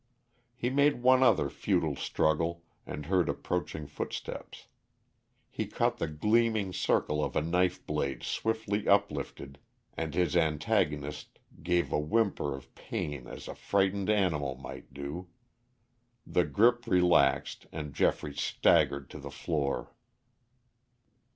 He made one other futile struggle and heard approaching footsteps; he caught the gleaming circle of a knife blade swiftly uplifted, and his antagonist gave a whimper of pain as a frightened animal might do. The grip relaxed and Geoffrey staggered to the floor.